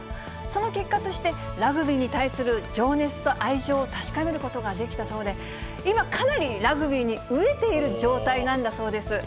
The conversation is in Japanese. その結果として、ラグビーに対する情熱と愛情を確かめることができたそうで、今、かなりラグビーに飢えている状態なんだそうです。